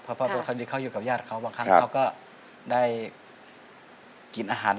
เพราะคราวนี้เขาอยู่กับญาติเขาบางครั้งเขาก็ได้กินอาหาร